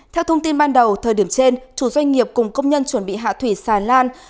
theo thông tin ban đầu thời điểm trên chủ doanh nghiệp cùng công nhân chuẩn bị hạ thủy xà lan